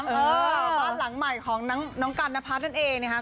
บ้านหลังใหม่ของน้องกันนพัฒน์นั่นเองนะครับ